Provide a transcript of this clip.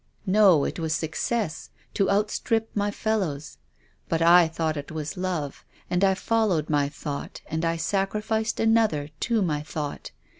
" No, it was success, to outstrip my fellows. But I thought it was love, and I followed my thought and I sacrificed another to my thought.